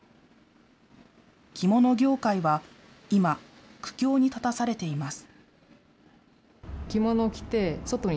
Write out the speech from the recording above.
着物業界は今、苦境に立たされています。